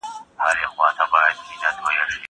زه کولای سم کالي پرېولم!!